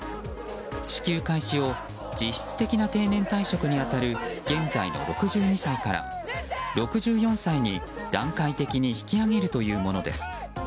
支給開始を実質的な定年退職に当たる現在の６２歳から６４歳に段階的に引き上げるというものです。